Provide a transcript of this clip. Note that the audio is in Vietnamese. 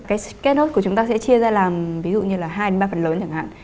cái sketch note của chúng ta sẽ chia ra làm ví dụ như là hai đến ba phần lớn chẳng hạn